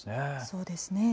そうですね。